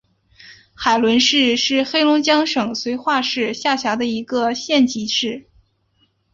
海伦市是黑龙江省绥化市下辖的一个县级市。